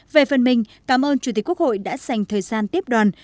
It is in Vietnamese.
về phần mình cảm ơn chủ tịch quốc hội đã dành thời gian tiếp đoàn